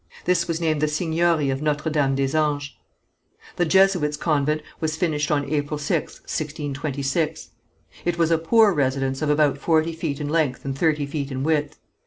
This was named the Seigniory of Notre Dame des Anges. The Jesuits' convent was finished on April 6th, 1626. It was a poor residence of about forty feet in length and thirty feet in width.